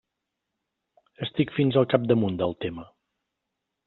Estic fins al capdamunt del tema.